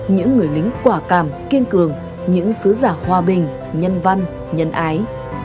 những người lính quả cảm kiên cường những sứ giả hòa bình nhân văn nhân ái